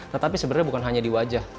tetapi sebenarnya bukan hanya di wajah